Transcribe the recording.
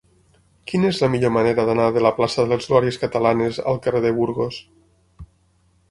Quina és la millor manera d'anar de la plaça de les Glòries Catalanes al carrer de Burgos?